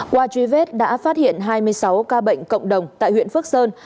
qua truy vết đã phát hiện hai mươi sáu ca bệnh cộng đồng tại huyện phước sơn